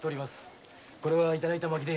これは頂いた薪で。